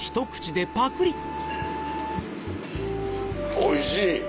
おいしい。